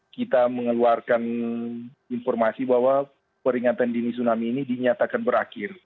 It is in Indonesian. kita mengeluarkan informasi bahwa peringatan dini tsunami ini dinyatakan berakhir